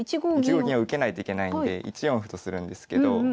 １五銀を受けないといけないんで１四歩とするんですけど。